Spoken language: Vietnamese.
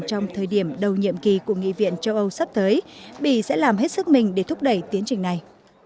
trong thời điểm đầu nhiệm kỳ của nghị viện châu âu sắp tới bỉ sẽ làm hết sức mình để thúc đẩy tiến trình này